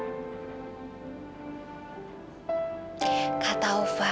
sedih itu gak akan menyelesaikan masalah